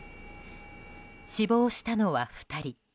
死亡したのは２人。